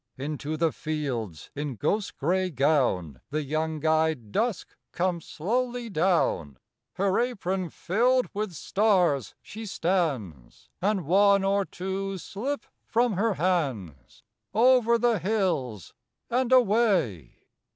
Into the fields, in ghost gray gown, The young eyed Dusk comes slowly down; Her apron filled with stars she stands, And one or two slip from her hands Over the hills and away.